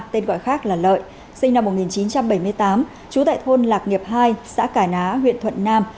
tên gọi khác là lợi sinh năm một nghìn chín trăm bảy mươi tám trú tại thôn lạc nghiệp hai xã cà ná huyện thuận nam